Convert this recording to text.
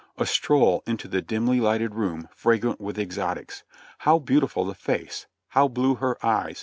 A stroll into the dimly lighted room, fragrant with exotics. How beautiful the face! How blue her eyes!